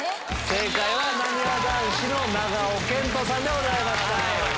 正解はなにわ男子の長尾謙杜さんでございました。